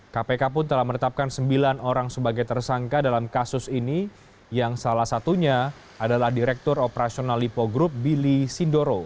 kpk pun telah menetapkan sembilan orang sebagai tersangka dalam kasus ini yang salah satunya adalah direktur operasional lipo group billy sindoro